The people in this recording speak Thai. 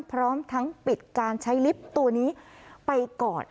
พร้อมทั้งปิดการใช้ลิฟต์ตัวนี้ไปก่อน